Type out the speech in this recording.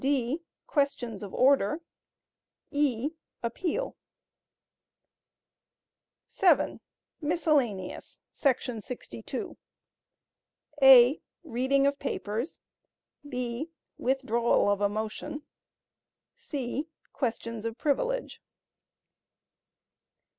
(d) Questions of Order. (e) Appeal. (7) Miscellaneous ……………………………………..[§ 62] (a) Reading of Papers. (b) Withdrawal of a Motion. (c) Questions of Privilege.